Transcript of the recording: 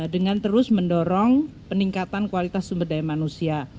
dengan terus mendorong peningkatan kualitas sumber daya manusia